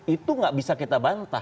itu nggak bisa kita bantah